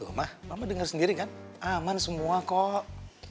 tuh ma mama denger sendiri kan aman semua kok